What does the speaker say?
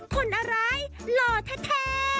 คนอร้ายหล่อแท้